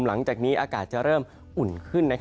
หลังจากนี้อากาศจะเริ่มอุ่นขึ้น